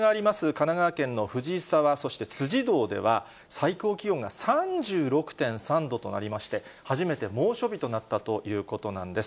神奈川県の藤沢、そして辻堂では、最高気温が３６．３度となりまして、初めて猛暑日となったということなんです。